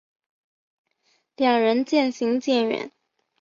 两人渐行渐远